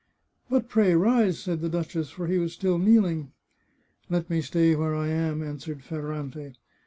" But pray rise," said the duchess, for he was still kneeling. " Let me stay where I am," answered Ferrante.